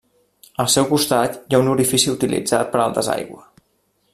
Al seu costat hi ha un orifici utilitzat per al desaigüe.